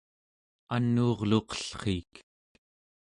anuureluqellriik